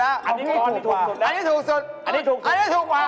อันนี้ถูกกว่า